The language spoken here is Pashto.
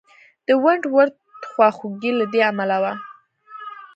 د ونټ ورت خواخوږي له دې امله وه.